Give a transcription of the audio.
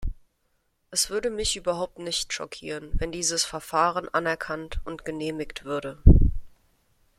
Es würde mich überhaupt nicht schockieren, wenn dieses Verfahren anerkannt und genehmigt würde.